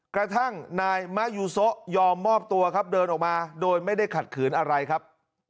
กระทั่งนายมะยูโซะยอมมอบตัวครับเดินออกมาโดยไม่ได้ขัดขืนอะไรครับ